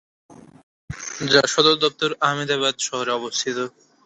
যার সদরদপ্তর আহমেদাবাদ শহরে অবস্থিত।